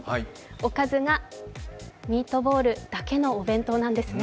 おかずがミートボールだけのお弁当なんですね。